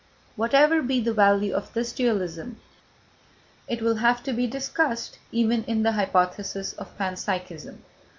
Whatever be the value of this dualism, it will have to be discussed even in the hypothesis of panpsychism.